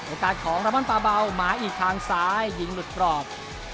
โอกาสของรามอนปาเบามาอีกทางซ้ายยิงหลุดกรอบ